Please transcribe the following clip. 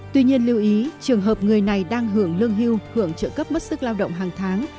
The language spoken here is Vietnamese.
tuy nhiên lưu ý trường hợp người này đang hưởng lương hưu hưởng trợ cấp mất sức lao động hàng tháng